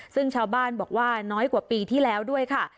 ซึ่งชาวบ้านบอกว่าน้อยกว่าปีที่แล้วด้วยค่ะ